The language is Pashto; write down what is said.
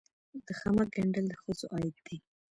د خامک ګنډل د ښځو عاید دی